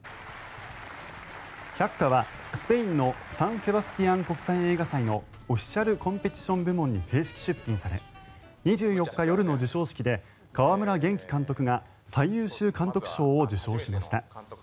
「百花」は、スペインのサン・セバスティアン国際映画祭のオフィシャル・コンペティション部門に正式出品され２４日夜の授賞式で川村元気監督が最優秀監督賞を受賞しました。